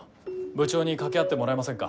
部長に掛け合ってもらえませんか？